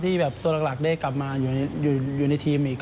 ตัวหลักได้กลับมาอยู่ในทีมอีก